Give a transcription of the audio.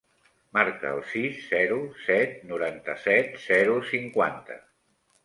Marca el sis, zero, set, noranta-set, zero, cinquanta.